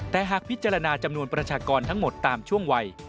แต่หากพิจารณาจำนวนประชากรทั้งหมดตามช่วงวัย